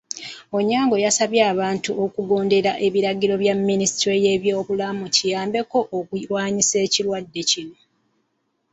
Onyango yasabye abantu okugondera ebiragiro bya Minisitule y'ebyobulamu kiyambe okulwanyisa ekirwadde kino.